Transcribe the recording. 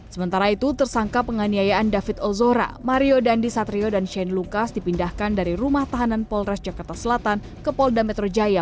sementara itu tersangka penganiayaan david ozora mario dandi satrio dan shane lucas dipindahkan dari rumah tahanan polres jakarta selatan ke polda metro jaya